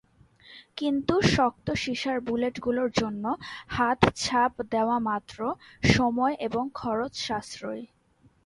কিন্তু, শক্ত সীসার বুলেটগুলোর জন্য হাত-ছাপ দেওয়া মাত্র সময় এবং খরচ-সাশ্রয়ী।